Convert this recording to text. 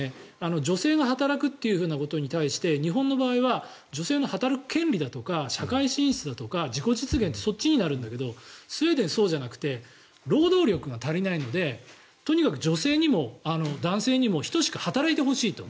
女性が働くっていうことに対して日本の場合は女性の働く権利だとか社会進出だとか自己実現ってそっちになるんだけどスウェーデンはそうじゃなくて労働力が足りないのでとにかく女性にも男性にも等しく働いてほしいと。